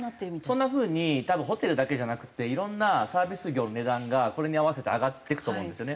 そんな風に多分ホテルだけじゃなくていろんなサービス業の値段がこれに合わせて上がっていくと思うんですよね。